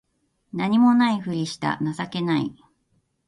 何も無いふりした情けない